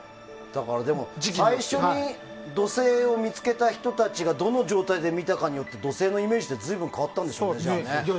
最初に土星を見つけた人たちがどの状態で見たかによって土星のイメージって随分変わったんでしょうねじゃあね。